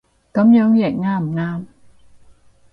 噉樣譯啱唔啱